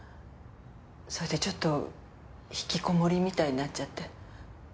それでちょっと引きこもりみたいになっちゃって。